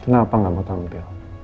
kenapa gak mau tampil